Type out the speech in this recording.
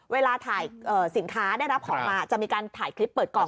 เวลาถ่ายสินค้าได้รับของมาจะมีการถ่ายคลิปเปิดกล่อง